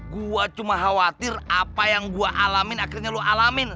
gue cuma khawatir apa yang gue alamin akhirnya lo alamin